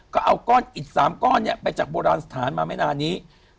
ก็เอาก้อนอิด๓ก้อนไปจากโบราณสถานมาไม่นานนี้